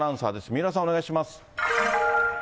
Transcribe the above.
三浦さん、お願いします。